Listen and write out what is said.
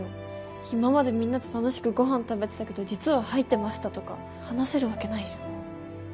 今までみんなと楽しくご飯食べてたけど実は吐いてましたとか話せるわけないじゃん。